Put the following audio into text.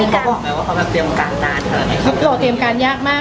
เขาก็บอกว่าเขาจะเตรียมการยากมาก